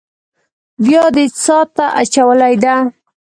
بيا دې څاه ته اچولې ده.